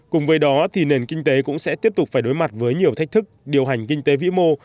cùng với đó thì nền kinh tế cũng sẽ tiếp tục phải đối mặt với nhiều thách thức điều hành kinh tế vĩ mô